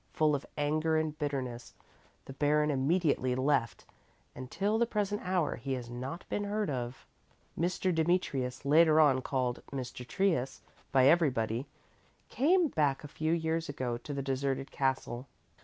Full of anger and bitterness the Baron immediately left, and till the present hour he has not been heard of. Mr. Demetrius, later on called Mr. Trius by everybody, came back a few years ago to the deserted castle.